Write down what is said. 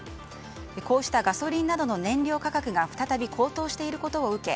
こうしたガソリンなどの燃料価格が再び高騰していることを受け